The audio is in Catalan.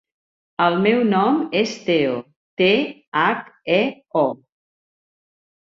El meu nom és Theo: te, hac, e, o.